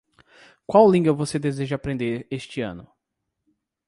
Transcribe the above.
Qual língua você deseja aprender este ano?